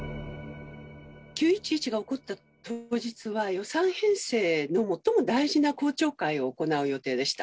９・１１が起こった当日は、予算編成の最も大事な公聴会を行う予定でした。